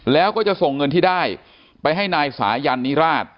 แล้วก็จะส่งเงินที่ได้ไปให้นายสายันนิราช